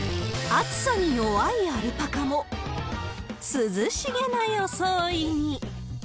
暑さに弱いアルパカも、涼しげな装いに。